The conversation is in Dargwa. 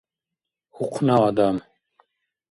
Ухъна адам.